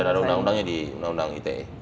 tidak ada undang undangnya di undang undang ite